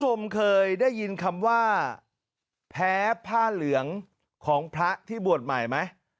คุณผู้ชมเคยได้ยินคำว่าแพ้ผ้าเหลืองของพระที่บวชใหม่ไหม